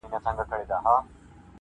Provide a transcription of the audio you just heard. ستا انګور انګور کتو مست و مدهوش کړم,